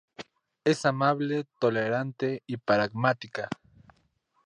Es amable, tolerante y pragmática.